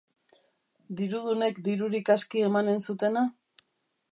Dirudunek dirurik aski emanen zutena?